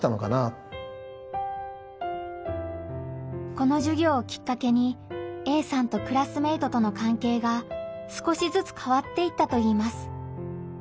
このじゅぎょうをきっかけにＡさんとクラスメートとのかんけいが少しずつ変わっていったといいます。